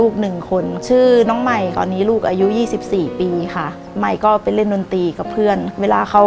แบบนี้ทุกอย่างไหวล่ะครับ